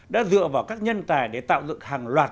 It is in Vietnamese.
đã dựa vào các nhân tài để tạo dựng hàng loạt